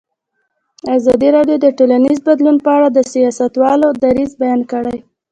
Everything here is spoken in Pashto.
ازادي راډیو د ټولنیز بدلون په اړه د سیاستوالو دریځ بیان کړی.